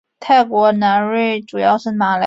泰国南端主要是马来人。